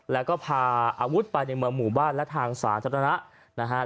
แล้วก็พาอาวุธไปมาหมู่บ้านและทางศาสตร์จัดรณะ